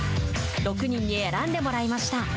６人に選んでもらいました。